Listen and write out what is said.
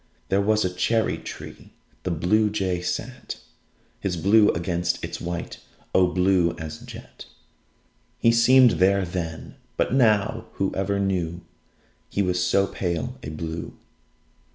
There was a cherry tree. The Bluejay sat His blue against its white O blue as jet He seemed there then! But now Whoever knew He was so pale a blue!